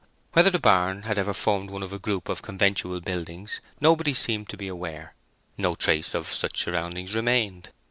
Whether the barn had ever formed one of a group of conventual buildings nobody seemed to be aware; no trace of such surroundings remained.